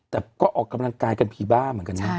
แต่ก็ออกกำลังกายกันผีบ้าเหมือนกันนะ